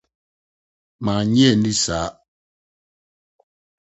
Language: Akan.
Mannye anni saa.